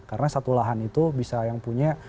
karena satu lahan itu bisa yang punya